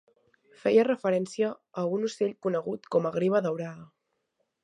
Feia referència a un ocell conegut com a griva daurada.